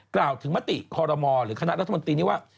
กล่าวถึงมติคอรมอหรือคณะรัฐมนตรีนี้ว่า